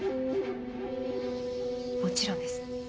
もちろんです。